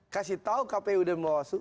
kasih tahu kpu dan bawaslu